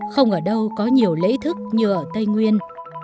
không ở đâu có nhiều lễ thức như ở tây nguyên